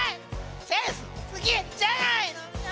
センスよすぎじゃないのよ！